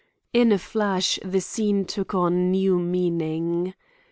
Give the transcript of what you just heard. In a flash the scene took on new meaning.